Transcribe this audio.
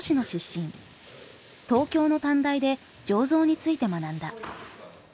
東京の短大で醸造について学んだ。